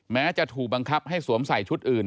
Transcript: แม้จะถูกบังคับให้สวมใส่ชุดอื่น